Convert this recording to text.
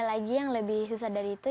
lagi yang lebih susah dari itu